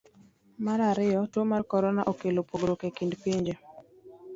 Mar ariyo, tuo mar korona, okelo pogruok e kind pinje.